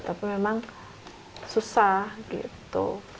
tapi memang susah gitu